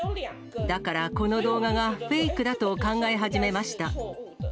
だから、この動画がフェイクだと考え始めました。